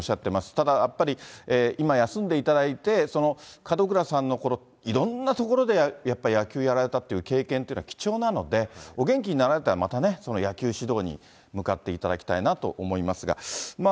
ただやっぱり今、休んでいただいて、門倉さんのいろんな所でやっぱり野球をやられたという経験は貴重なので、お元気になられたらまたね、野球指導に向かっていただきたいなと思いますが。